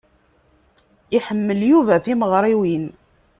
Iḥemmel Yuba timeɣṛiwin.